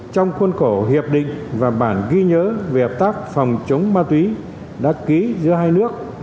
trong khuôn khổ hiệp định và bản ghi nhớ về hợp tác phòng chống ma túy đã ký giữa hai nước